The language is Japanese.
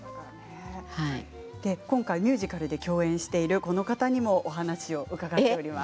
今回ミュージカルで共演しているこの方にもお話を伺っています。